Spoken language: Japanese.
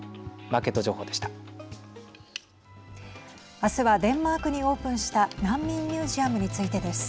明日はデンマークにオープンした難民ミュージアムについてです。